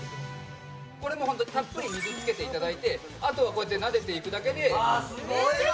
これもホントたっぷり水つけていただいてあとはこうやってなでていくだけあーすごいわ！